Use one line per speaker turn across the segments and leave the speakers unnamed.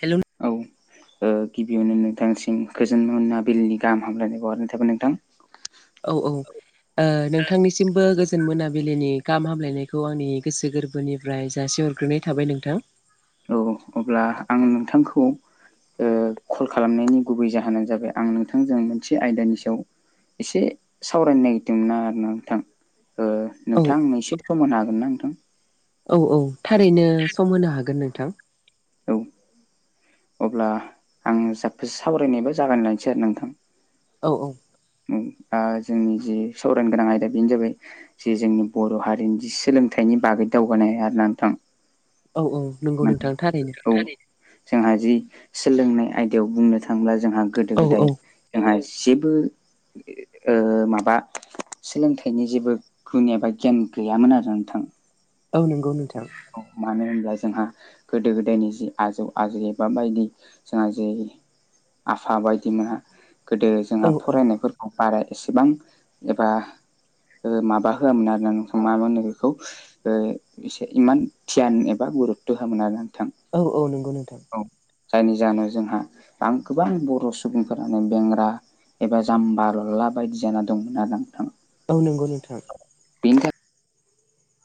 Hello नों
औ ओ गिबियावनो नोंथांसिम गोजोन मोनाबिलिनि गाहाम हामलायनायखौ बावहरनाय थाबाय नोंथां।
औ औ नोंथांनिसिमबो गो जोन मोनाबिलिनि गाहाम हामलायनायखौ आंनि गोसो गोरबोनिफ्राय जासि हरग्रोनाय थाबाय नोंथां।
औ अब्ला आं नोंथांखौ ओ कल खालामनायनि गुबै जाहोनानो जाबाय आं नोंथांजों मोनसे आयदानि सायाव एसे सावरायनो नागिरदोंमोन ना आरो ना नोंथां ओ
औ
नोंथां नों एसे फोरमायनो हागोन ना नोंथां।
औ औ थारैनो सम होनो हागोन नोंथां।
औ अब्ला आं जाबखोसे सावरायनायबो जागाय लानोसै आरो नोंथां।
औ औ
ओम दा जोंनि जि सावरायनो गोनां आयदा बेनो जाबाय जे जोंनि बर' हारिनि जि सोलोंथाइनि बागै दावगानाय आरोना नोंथां।
औ औ नंगौ
माने
नोंथां थारैनो
औ जोंहा जि सोलोंनाय आयदायाव बुंनो थांङोब्ला जोंहा गोदो
औ
गोदाय
औ
जोंहा जेबो ओ माबा सोलोंथाइनि जेबो गुन एबा गियान गैयामोन आरो नोंथां।
औ नंगौ नोंथां।
औ मानो होनबा जोंहा गोदो गोदायनि जि आजौ आजौ एबा बायदि जोंहा जे आफा बायदिमोना गोदो
औ
जोंहा
औ
फरायनायफोर बारा एसेबां एबा ओ माबा होआमोन आरोना नोंथां मा होनो बेखौ ओ एसे इमान धियान एबा गुरुतथ' होआ आरो ना नोंथां।
औ औ नंगौ नोंथां।
औ जायनि जाहोनाव जोंहा आं गोबां बर' सुबुंफोरानो बेंग्रा एबा जाम्बा ललला बायदि जाना दंमोन आरो ना नोंथां।
औ नंगौ नोंथां।
बिनि थाखाय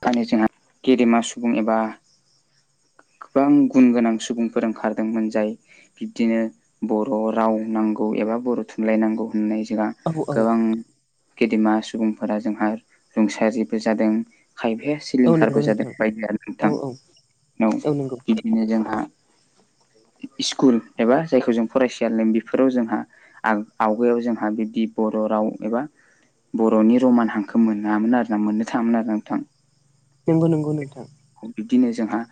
खानि जोंहा गेदेमा सुबुं एबा गोबां गुन गोनां सुबुंफोर ओंखारदोंमोन जाय बिब्दिनो बर' राव नांगौ एबा बर' थुनलाइ नांगौ होननाय जोंहा
औ औ
गोबां गेदेमा सुबुंफोरा जोंहा रुंसारिबो जादों। खायफाया
औ
सिलिंखारबो
नंगौ
जादों
नोंथां
बायदिया
औ
नोंथां
औ
औ
नंगौ
बिदि। बिदिनो जोंहा स्कुल एबा जायखौ जों फरायसा लों बेफोराव जोंहा। आव आवगायाव जोंहा बिब्दि बर' राव एबा। बर'नि रमान हांखो मोनामोन आरो ना मोननो थाङामोन आरोा नोंथां।
नंगौ नंगौ नोंथां।
बिब्दिनो जोंहा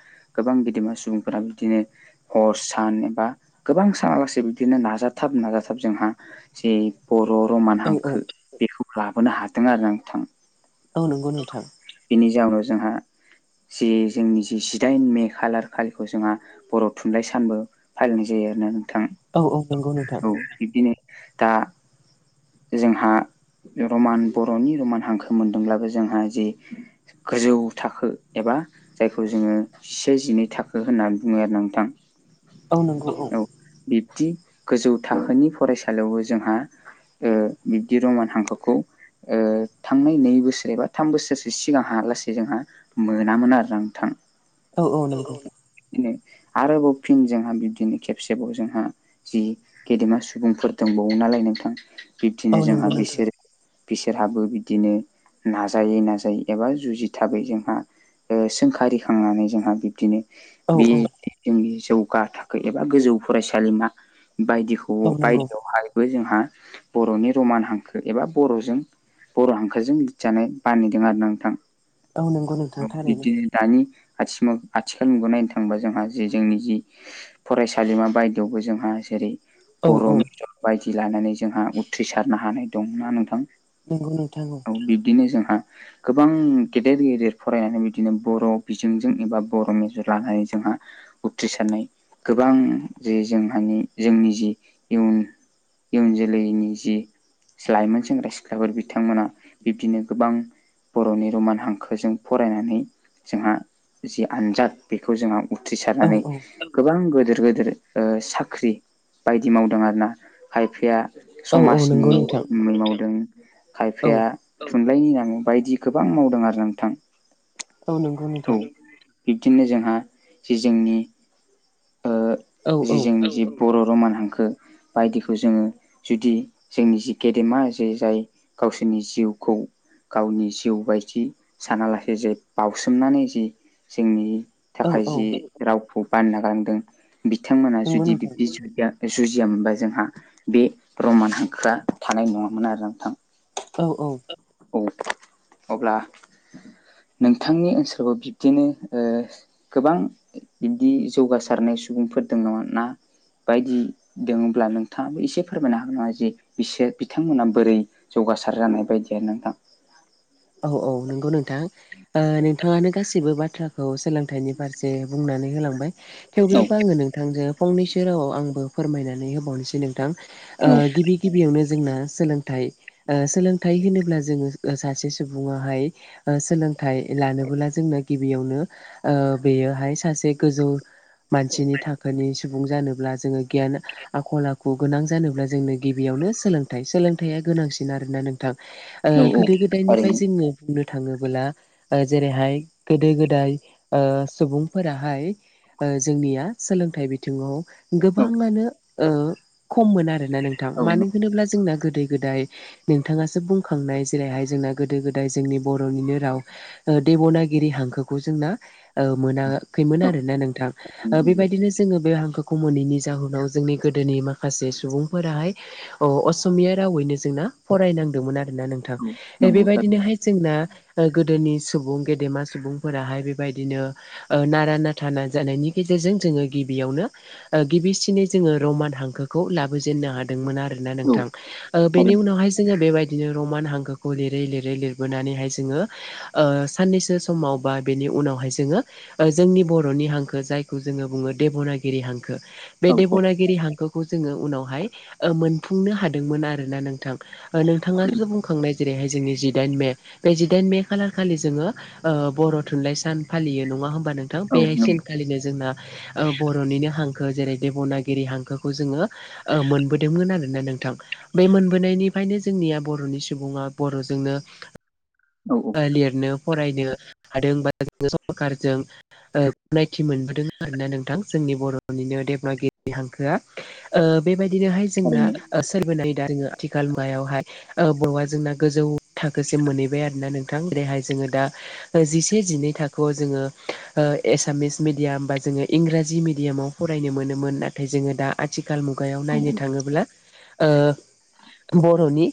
गोबां गेदेमा सुबुंफोरा बिदिनो। हर सान एबा गोबां सानालासे बिदिनो नाजाथाब नाजाथाब जोंहा जे बर' रमान
औ औ
हांखो बेखौ लाबोनो हादों आरो ना नोंथां।
औ नंगौ नोंथां।
बिनि जाउनाव जोंहा। जे जोंनि जे जिदाइन मे खालार खालिखौ जोंहा। बर' थुनलाइ सानबो फालिनाय जायो आरोना नोंथां।
औ औ नंगौ नोंथां।
औ बिदिनो दा। जोंहा रमान बर'नि रमान हांखो मोनदोंब्लाबो जोंहा जि गोजौ थाखो एबा जायखौ जोङो जिसे जिनै थाखो होननानै बुङो आरो नोंथां।
औ नंगौ
औ, बिब्दि गोजौ थाखोनि फरायसालियावबो जोंहा। ओ बिब्दि रमान हांखोखौ ओ थांनाय नै बोसोर एबा थाम बोसोरसो सिगांहा लासै जोंहा। मोनामोन आरोना नोंथां।
औ औ नंगौ
बिदिनो आरोबाव फिन जोंहा बिब्दिनो खेबसेबाव जोंहा। जि गेदेमा सुबुंफोर दंबावो नालाय नोंथां
औ
बिब्दिनो
नंगौ
जोंहा
नोंथां
बिसोरो। बिसोरहाबो बिदिनो नाजायै नाजायै एबा जुजिथाबै जोंहा। ओ सोंखारिखांनानै जोंहा बिब्दिनो।
औ
बे
औ
जोंनि जौगा थाखो एबा गोजौ फरायसालिमा बायदिखौ
औ
अ
नंगौ
बायदियावहायबो जोंहा बर'नि रमान हांखो एबा बर'जों बर' हांखोजों लिरजानाय बानायदों आरो ना नोंथां।
औ नंगौ
औ
नोंथां थारैनो
बिदिनो। दानि आथिङाव आथिखाल नुगोन नायनो थाङोबा जोंहा जे जोंनि जि। फरायसालिमा बायदियावबो जोंहा जेरै।
औ
बर'
औ
मिजर बायदि लानानै जोंहा उथ्रिसारनो हानाय दं ना नोंथां?
नोंगौ नोंथां औ
बिब्दिनो जोंहा गोबां गेदेर गेदेर फरायनानै बिदिनो बर' बिजोंजों एबा बर' मेजर लानानै जोंहा उथ्रिसारनाय गोबां जे जोंहानि जोंनि जि इयुन इयुन जोलैनि जि लाइमोन सेंग्रा सिख्लाफोर बिथांमोना बिब्दिनो गोबां बर'नि रमान हांखोजों फरायनानै जोंहा जि आनजाद बेखौ जोंहा
औ
उथ्रिसारनानै गोबां गोदिर गोदिर ओ साख्रि बायदि मावदों आरोना खायफाया
औ औ नंगौ
समाजनि
नोंथां
मै मावदों
औ
खायफाया थुनलाइनि नाम बायदि गोबां मावदों आरो नोंथां।
औ नोंगौ
औ
नोंथां।
बिब्दिनो जोंहा जे जोंनि ओ
औ
जि
औ
जोंनि जि बर' रमान हांखो बायदिखौ जोङो जुदि जोंनि जि गेदेमा जे जाय गावसोरनि जिउखौ गावनि जिउ बायदि सानालासे जे बाउसोमनानै जि जोंनि
औ
थाखाय
औ
जि रावखौ बानना गानदों बिथांमोना
नंगौ
जुदि
नोंथां
बिब्दि जुदिया ओ जुजिया मोनबा जोंहा बे रमान हांखोआ थानाय नङामोन आरो नोंथां।
औ औ
औ अब्ला नोंथांनि ओनसोखौ बिब्दिनो ओ गोबां बिबदि जौगासारनाय सुबुंफोर दङ नामा ना बायदि दोङोब्ला नोंथाङाबो एसे फोरमायनो हागोन नङा जे बिसोर बिथांमोनहा बोरै जौगासार जानाय बायदि आनो नोंथां।
औ औ नंगौ नोंथां। ओ नोंथाङानो गासिबो बाथ्राखौ सोलों थाइनि फारसे बुंनानै होलांबाय।
औ
थेवब्लाबो आङो नोंथांजों फंनैसो रावाव आंबो फोरमायनानै होबावनोसै नोंथां। ओ
औ
गिबि गिबियावनो जोंना सोलोंथाइ ओ सोलोंथाइ होनोब्ला जोङो ओ सासे सु सुबुङा हाय ओ सोलोंथाइ लानोबोला जोंनो गिबियावनो ओ बेयोहाय सासे गोजौ मानसिनि थाखोनि सुबुं जानोब्ला जोङो गियान आखल आखु गोनां जानोब्ला जोंनो गिबियावनो सोलोंथाइ सोलोंथाया गोनांसिन आरोना नों थां ओ
औ औ
गोदो गोदायनिफाय
थारैनो
जोङो बुंनो थाङोबोला ओ जेरैहाय गोदो गोदाय ओ सुबुंफोराहाय ओ जोंनिया सोलोंथाइ बिथिङाव
औ
गोबाङानो ओ खममोन आरोना नोंथां।
औ
मानो होनोब्ला जोंना गोदै गोदाय नोंथाङासो बुंखांनाय जेरैहाय जोंना गोदो गोदाय जोंनि बर'निनो राव ओ देब'नागिरि हांखोखौ जोंना ओ मोना खैमोन आरो ना नोंथां। ओ बेबायदिनो जोङो बे हांखो खौ मोनैनि जाहोनाव जोंनि गोदोनि माखासे सुबुंफोराहाय औ असमिया रावयैनो जोंना फरायनांदोंमोन आरो ना नोंथां।
औ नंगौ थारैनो
हैद जोंना ओ गोदोनि सुबुं गेदेरमा सुबुंफोराहाय बेबायदिनो ओ नारा नाथा ना जानायनि गेजेरजों जोङो गिबियावनो ओ गिबिसिनै जोङो रमान हांखोखौ लाबोजेननो हादोंमोन आरो। ना
औ
नोंथां ओ बेनि
थारैनो
उनावहाय जोङो बेबायदिनो रमान हांखो खौ लिरै लिरै लिरबोनानैहाय जोङो ओ साननैसो समाव बा बेनि उनावहाय जोङो। ओ जोंनि बर'नि हांखो जायखौ जोङो बुङो देब'नागिरि हांखो। बे
औ औ नंगौ औ
देबनागिरि हांखोखौ जोङो उनावहाय ओ मोनफुंनो हादोंमोन आरोना नोंथां। ओ नोंथाङा बुंखांनाय जेरैहाय जोंनि जिदाइन मे बे जिदाइन मे खालार खालि जोङो ओ बर' थुनलाइ सान फालियो नङा होमबा नों थां बे सेनखालिनो जोंना बर'निनो हांखो जेरै देब'नागिरि हांखोखौ जोङो ओ मोनबोदोंमोन आरोना नोंथां बे मोनबोनायनिफ्रायनो जोंनिया बर'नि सुबुङा बर'जोंनो
औ
ओ लिरनो फरायनो हादों बा जों सरखारजों ओ गनायथि मोनबोदों आरोना नोंथां। जोंनि बर'निनो देबनागिरि हांखोआ ओ बेबायदिनोहाय जोंना
थारैनो
ओ सोरबोनाय दोङो आथिखाल मायावहाय ओ बर'आ जोंना गोजौ थाखोसिम मोनहैबाय आरोना नों थां बेहाय जोङो दा ओ जिसे जिनै थाखोआव जोङो ओ एसामिस मिडियाम बा जोङो इंराजि मिडियामाव फरायनो मोनोमोन नाथाय जोङो दा आथिखाल मुगायाव नायनो
औ
थाङोब्ला बर'नि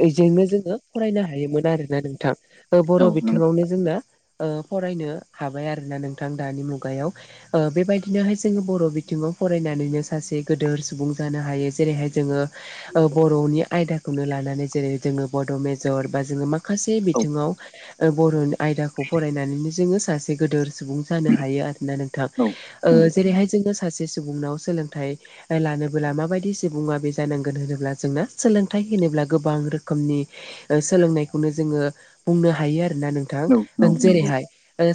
बेजोंनो जोङो फरायनो हायोमोन आरो। नोंथां
औ
बर'
नंगौ
बिथिङावनो जोंना फरायनो हाबाय आरो ना नोंथां दानि मुगायाव। बेबायदिनोहाय जोङो बर' बिथिङाव फरायनानैनो सासे गोदोर सुबुं जानो हायो जेरैहाय जोङो बर'नि आयदाखौनो लानानै जेरै जोङो बड' मेजर बा जोङो मा माखासे
औ
बिथिङाव बर'नि आयदाखौ फरायनानैनो जोङो सासे गोदोर सुबुं जानो हायो आरोोना नोंथां जेरैहाय जोङो सासे सुबुंनाव सोलोंथाइ लानबोला माबायदि सुबुङा बे जानांगोन होनोब्ला जोंना सोलोंथाइ होनोब्ला गोबां रोखोमनि सोलोंनायखौनो जोङो बुंनो हायो आरोोना नोंथां
औ नंगौ थारैनो औ नंगौ नंगौ
जेरैहाय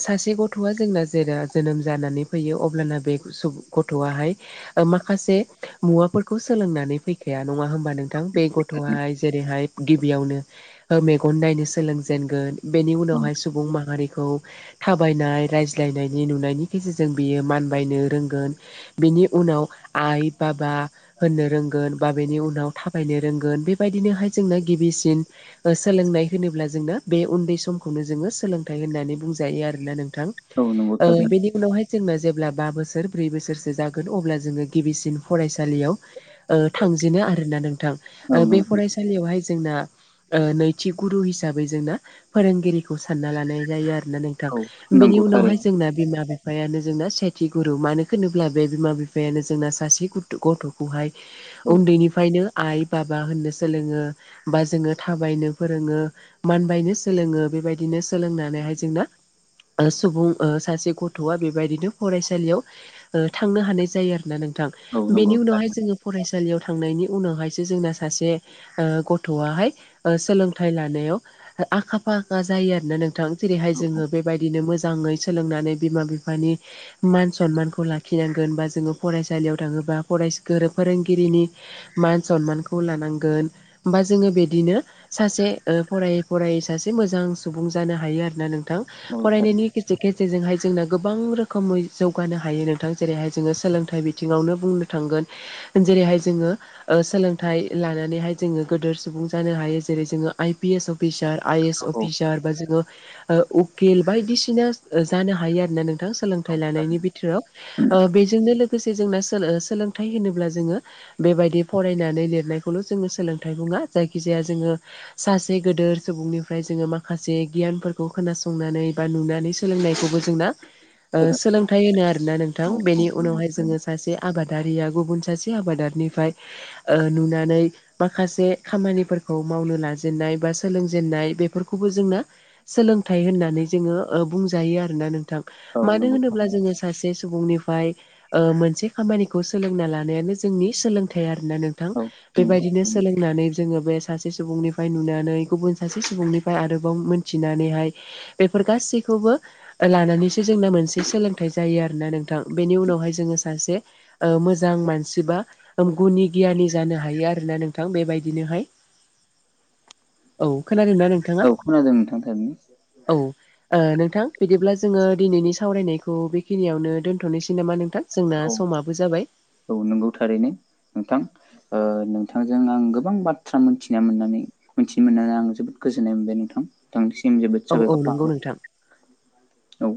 सासे गथ'आ जोंना जेराव जोनोम जानानै फैयो अब्लाना बे गथ'आहाय ओ माखासे मुवाफोरखौ सोलोंनानै फै ग- नङा होनबा नोंथां बे
थारैनो
गथ'आहाय जेरैहाय गिबियावनो ओ मेगन नायनो सो सोलोंजेनगोन बेनि उनावहाय
औ
सुबुं माहारिखौ थाबायनाय रायज्लायनायनि नुनायनि गेजेरजों बियो मानबायनो रोंगोन। बेनि उनाव आइ बाबा होननो रोंगोन बा बेनि उनाव थाबायनो रोंगोन बेबायदिनोहाय जोंनो गिबिसिन सोलोंनाय होनोब्ला जोंना बे उन्दै समखौनो जोङो सोलोंथाइ होननानै बुंजायो आरोना नोंथां।
औ नंगौ
ओ
थारैनो
बेनि उनावहाय' जोंना जेब्ला बा बोसोर ब्रै बोसोरसो जागोन अब्ला जोङो गिबिसिन फरायसालियाव ओ थांजेनो आरोना नोंथां ओ
औ
बे
नंगौ
फरायसालियावहाय जोंना ओ नै थि गुरु हिसाबै जोंना फोरोंगिरिखौ सानना लानाय जायो आरोना नों
औ
बेनि
नंगौ
उनावहाय
थारैनो
जोंना बे माबा बिफायानो जोंना सेथि गुरु मानोहोनोब्ला बे बिमा बिफायानो जोंना सासे गथ' खौहाय
औ
उन्दैनिफ्रायनो आइ बाबा होननो सोलोङो बा जोङो थाबायनो फोरोङो मानबायनो सोलोङो बेबायदिनो सोलोंनानैहाय जोंना ओ सुबुं ओ सासे गथ'आ बेबायदिनो फरायसालियाव थांनो हानाय जायो आरो ना नोंथां।
औ नंगौ
बेनि उनावहाय
थारैनो
जोङो फरायसालियाव थांनायनि उनावहायसो जोंना सासे गथ'आहाय ओ सोलों थाय -लानायाव आखा फाखा जायो आरोना नोंथां जेरैहाय
औ
जोङो बेबायदिनो मोजाङै सोलोंनानै बिमा बिफानि मान सनमानखौ लाखिनांगोन बा जोङो फरायसालियाव थाङोबा ग -फोरोंगिरिनि मान सनमानखौ लानांगोन होमबा जोङो बिदिनो सासे फरायै फरायै सासे मोजां सुबुं जानो हायो आरोना नोंथां
औ थारैनो
फरायनायनि गेज' जे - खेजेरजोंहाय जोंना गोबां रोखोमै जौगानो हायो नोंथां जेरैहाय जोङो सोलोंथाइ बिथिङावनो बुंनो जेरैहाय जोङो सोलोंथाइ लानानैहाय जोङो गोदोर सुबुं जानो हायो। जेरै जोङो I P S officer I S
औ औ
अफिसार बा जोङो उकेल बायदिसिना जानो हायो आरो ना नोंथां
औ
सोलोंथाइ लानायनि
थारैनो
बिथ बेजोंनो लोगोसे जोंना सोलोंथाइ होनोब्ला जोङो बेबायदि फरायनानै लिरनायखौल' जोङो सोलोंथाइ बुङा जायखिजाया जोङो सासे गिदोर सुबुंनिफ्राय जोङो माखासे गियानफोरखौ खोनासंनानै बा नुनानै सोलोंनायखौबो जोंना
[inaudible]
ओ सोलोंथाइ होनो आरोना नोंथां
औ औ
बेनि
नंगौ
उनावहाय जोङो
थारैनो
सासे आबादारिया गुबुन सासे आबादारिनिफ्राय ओ नुनानै माखासे खामानिफोरखौ मावनो लाजेननाय बा सोलोंजेननाय बेफोरखौबो जोंना सोलोंथाइ होननानै जोङो ओ बुंजायो आरोना नोंथां।
औ
मानो
नंगौ
होनोब्ला
थारैनो
जोङो सासे सुबुंनिफ्राय ओ मोनसे खामानिखौ सोलोंना लानायानो जोंनि सोलोंथाइ आरोना नोंथां
औ नंगौ
बेबायदिनो
थारैनो
सोलोंनानै जोङो बे सासे सुबुंनिफ्राय नुनानै गुबुन सासे सुबुंनिफ्राय आरोबाव मोनथिनानैहाय बेफोर गासैखौबो लानानैसो जोंना मोनसे सोलोंथाइ जायो आरोना नोंथां बेनि उनावहाय जोङो सासे ओ मोजां मानसि बा गुनि गियानि जानो हायो आरोना नोंथां बेबायदिनोहाय औ खोनादोंना नोंथाङा
औ खोनादों नोंथां थारैनो
औ ओ नोंथां बिदिब्ला जोङो दिनैनि सावरायनायखौ बेखिनियावनो दोनथ'नोसै नामा नोंथां? जोंना
औ
समाबो जाबाय
औ नंगौ थारैनो नोंथां ओ नोंथांजों आं गोबां बाथ्रा मोनथिना मोननानै मिथिनो मोननानै आं जोबोद गोजोननाय मोनबाय नोंथां। नोंथांनिसिम जोबो
औ
साबायखर
औ नंगौ नोंथां
थाबाय औ